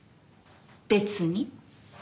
別に。